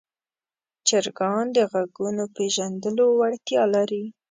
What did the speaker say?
چرګان د غږونو پېژندلو وړتیا لري.